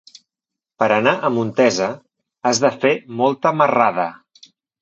Per anar a Montesa has de fer molta marrada.